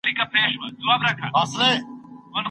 سرپرستانو ولي له حضرت علي سره شکایت وکړ؟